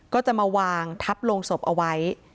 ก็จะมาวางทับลงศพเอาไว้